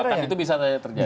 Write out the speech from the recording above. jebakan itu bisa terjadi